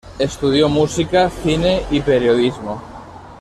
Estudió música, cine y periodismo.